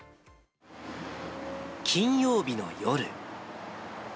金曜日の夜。